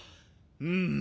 うん。